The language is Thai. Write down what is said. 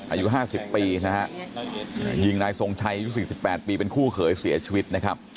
อายุห้าสิบปีนะฮะยิ่งนายทรงชัยยุดสิบแปดปีเป็นคู่เคยเสียชีวิตนะครับ